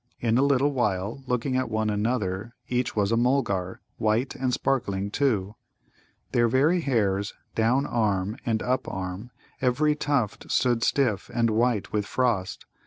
in a little while, looking at one another, each was a Mulgar, white and sparkling too. Their very hairs, down arm and up arm, every tuft stood stiff and white with frost.